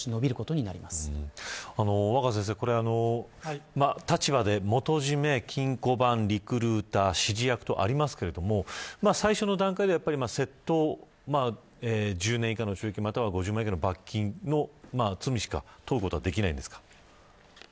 若狭先生立場で、元締、金庫番リクルーター、指示役とありますけど最初の段階で窃盗１０年以下の懲役または５０万円の罰金の罪にしか問うことができないんですか。